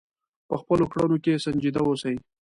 په خپلو کړنو کې سنجیده اوسئ.